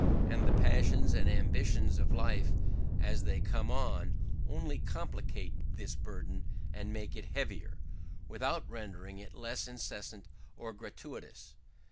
And the passions and ambitions of life, as they come on, only complicate this burden and make it heavier, without rendering it less incessant or gratuitous.